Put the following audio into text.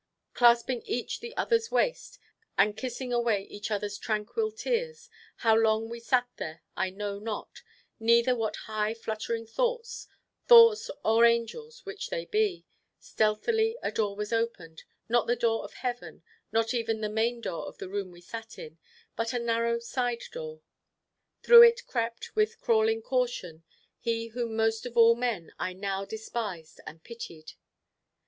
Clasping each the other's waist, and kissing away each other's tranquil tears, how long we sat there I know not, neither what high fluttering thoughts, thoughts or angels, which be they stealthily a door was opened, not the door of heaven, not even the main door of the room we sat in, but a narrow side door. Through it crept, with crawling caution, he whom most of all men I now despised and pitied.